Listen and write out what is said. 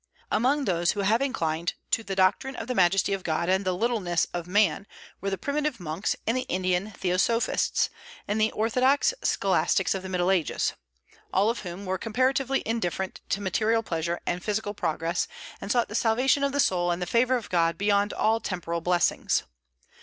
Among those who have inclined to the doctrine of the majesty of God and the littleness of man were the primitive monks and the Indian theosophists, and the orthodox scholastics of the Middle Ages, all of whom were comparatively indifferent to material pleasure and physical progress, and sought the salvation of the soul and the favor of God beyond all temporal blessings.